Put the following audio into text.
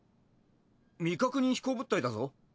未確認飛行物体だぞ。